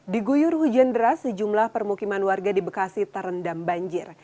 di guyur hujan deras sejumlah permukiman warga di bekasi terendam banjir